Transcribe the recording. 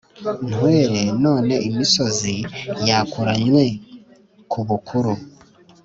“ntwere, none imisozi yakuranywe ku bukuru,